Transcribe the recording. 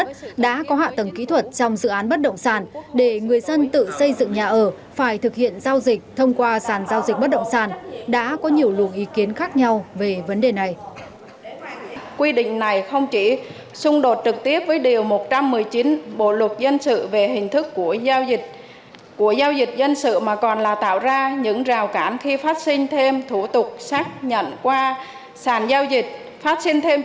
các bạn hãy đăng ký kênh để ủng hộ kênh của chúng mình nhé